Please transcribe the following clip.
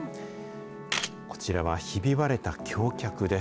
こちらはひび割れた橋脚です。